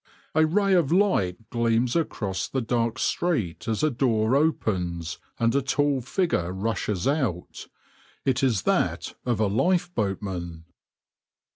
A ray of light gleams across the dark street as a door opens and a tall figure rushes out it is that of a lifeboatman.